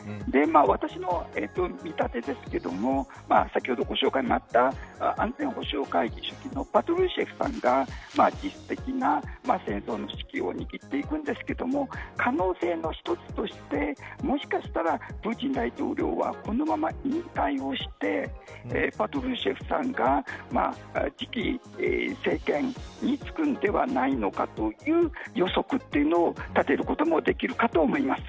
私の見立てですけれども先ほどご紹介にもあった安全保障会議書記のパトルシェフさんが実質的な戦争の指揮を握っていくんですけれども可能性の一つとしてもしかしたらプーチン大統領はこのまま引退をしてパトルシェフさんが次期政権につくのではないかという予測というのを立てることもできるかと思います。